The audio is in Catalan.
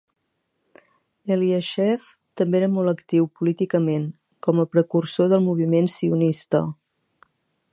Elyashev també era molt actiu políticament, com a precursor del moviment sionista.